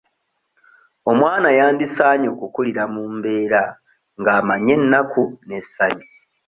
Omwana yandisaanye okukulira mu mbeera ng'amanyi ennaku n'essanyu.